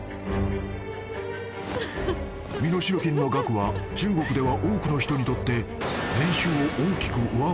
［身代金の額は中国では多くの人にとって］